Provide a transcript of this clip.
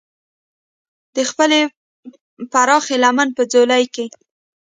د خپلې پراخې لمن په ځولۍ کې.